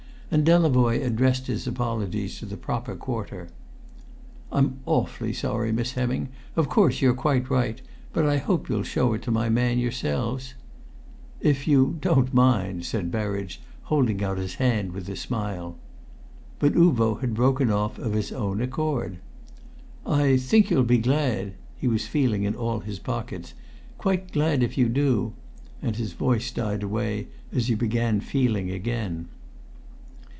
And Delavoye addressed his apologies to the proper quarter. "I'm awfully sorry, Miss Hemming! Of course you're quite right; but I hope you'll show it to my man yourselves " "If you don't mind," said Berridge, holding out his hand with a smile. But Uvo had broken off of his own accord. "I think you'll be glad" he was feeling in all his pockets "quite glad if you do " and his voice died away as he began feeling again.